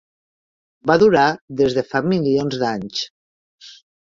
Va durar des de fa milions d'anys.